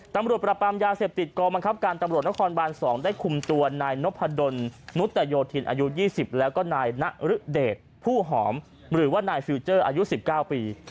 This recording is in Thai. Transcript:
ตำรวจประปำยาเสพติดกลมังคับการตำรวจนครบานสองได้คุมตัวนายนพดลนุตยโยธินอายุยี่สิบแล้วก็นายนรดิตผู้หอมหรือว่านายฟิวเจอร์อายุสิบเก้าปี